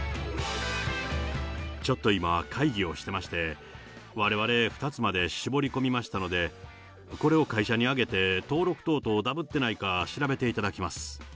ちょっと今、会議をしていまして、われわれ、２つまで絞り込みましたので、これを会社に上げて、登録等々ダブってないか、調べていただきます。